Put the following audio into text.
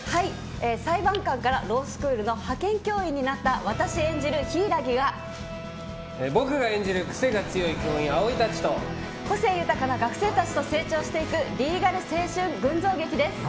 裁判官からロースクールの派遣教員になった僕が演じる癖の強い教員個性豊かな学生たちと成長していくリーガル青春群像劇です。